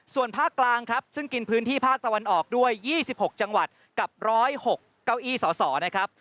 ส่วนภาคกลางครับซึ่งกินพื้นที่ภาคตะวันออกด้วย๒๖จังหวัดกับ๑๐๖เก้าอี้สสนะครับ